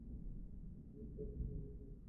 তুমি কি আর কিছু নিবে?